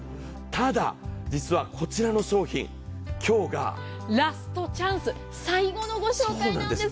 ただ実はこちらの商品、今日がラストチャンス、最後のご紹介なんです。